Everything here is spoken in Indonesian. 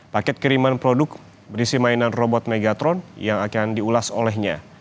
paket kiriman produk berisi mainan robot megatron yang akan diulas olehnya